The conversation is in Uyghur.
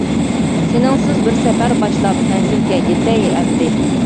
سېنىڭسىز بىر سەپەر باشلاپ، مەنزىلگە يېتەي ئەمدى.